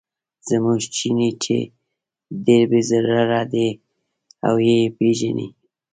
زموږ چیني چې دی ډېر بې ضرره دی او یې پیژني.